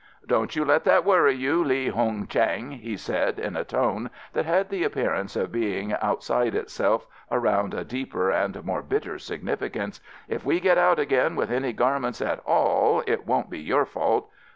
"Don't you let that worry you, Li Hung Chang," he said, in a tone that had the appearance of being outside itself around a deeper and more bitter significance; "if we get out again with any garments at all it won't be your fault.